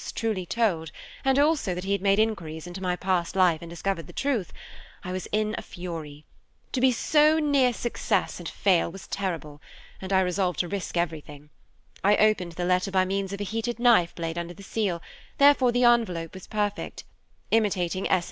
truly told, and also that he had made inquiries into my past life and discovered the truth, I was in a fury. To be so near success and fail was terrible, and I resolved to risk everything. I opened the letter by means of a heated knife blade under the seal, therefore the envelope was perfect; imitating S.